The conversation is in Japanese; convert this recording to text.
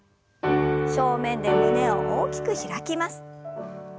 正面で胸を大きく開きます。